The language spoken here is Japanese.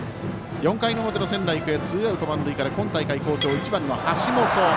４回の表の仙台育英ツーアウト、満塁から今大会好調の１番の橋本。